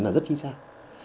là rất chính xác